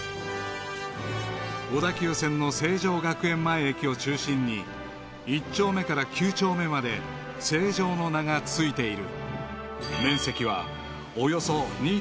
［小田急線の成城学園前駅を中心に１丁目から９丁目まで成城の名が付いている］